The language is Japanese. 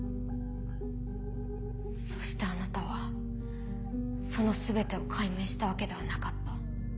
そしてあなたはその全てを解明したわけではなかった。